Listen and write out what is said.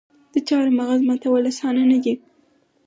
د چهارمغز ماتول اسانه نه دي.